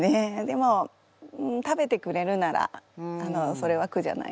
でも食べてくれるならそれは苦じゃないです。